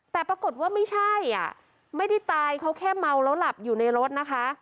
แต่ปรากฏว่าไม่ใช่อ่ะไม่ได้ตายเขาแค่เมาแล้วหลับอยู่ในรถนะคะ